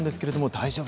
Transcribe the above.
大丈夫？